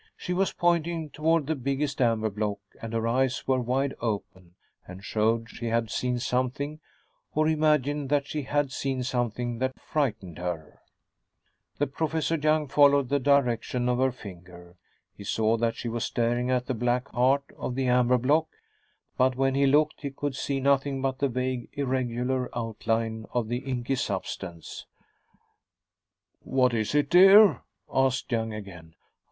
She was pointing toward the biggest amber block, and her eyes were wide open and showed she had seen something, or imagined that she had seen something, that frightened her. Professor Young followed the direction of her finger. He saw that she was staring at the black heart of the amber block; but when he looked he could see nothing but the vague, irregular outline of the inky substance. "What is it, dear?" asked Young again.